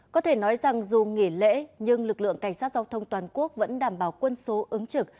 có thể nói rằng dù nghỉ lễ nhưng lực lượng cảnh sát giao thông toàn quốc vẫn đảm bảo quân số ứng trực